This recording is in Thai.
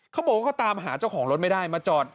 เขาบอกว่าเขาตามหาเจ้าของรถไม่ได้มาจอด